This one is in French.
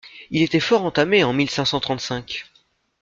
Il était fort entamé en mille cinq cent trente-cinq.